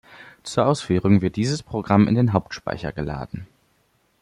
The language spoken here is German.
Zur Ausführung wird dieses Programm in den Hauptspeicher geladen.